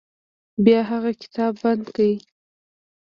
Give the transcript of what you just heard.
بیا هغه کتاب بند کړ.